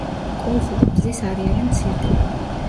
კოლხური ბზის არეალი მცირდება.